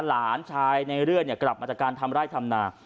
หลานชายในเรื่อยกลับมาจากการทำไร่ทำนา